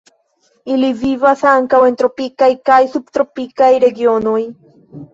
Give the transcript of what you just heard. Ili vivas ankaŭ en tropikaj kaj subtropikaj regionoj.